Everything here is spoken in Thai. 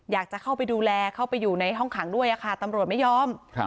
อยากจะเข้าไปดูแลเข้าไปอยู่ในห้องขังด้วยค่ะตำรวจไม่ยอม